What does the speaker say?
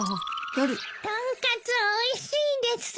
とんかつおいしいです！